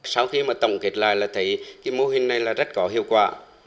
sau khi mà tổng kết lại là thấy cái mô hình này là rất có hiệu quả